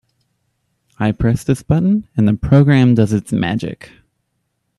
I press this button and the program does its magic.